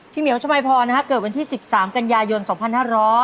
เหมียวชมัยพรเกิดวันที่๑๓กันยายน๒๕๐